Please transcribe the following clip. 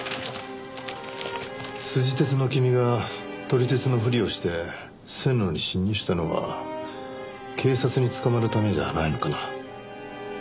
スジ鉄の君が撮り鉄のふりをして線路に侵入したのは警察に捕まるためではないのかな？